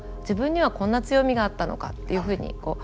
自分にはこんな強みがあったのかっていうふうに。